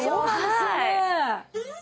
はい。